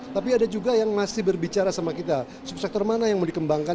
tapi ada juga yang masih berbicara sama kita subsektor mana yang mau dikembangkan